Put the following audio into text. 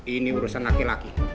ini urusan laki laki